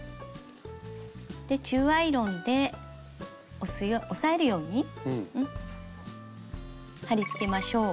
で中アイロンで押さえるように貼り付けましょう。